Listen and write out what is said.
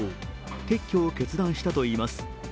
撤去を決断したといいます。